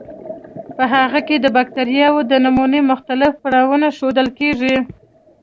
په هغې کې د بکټریاوو د نمو مختلف پړاوونه ښودل کیږي.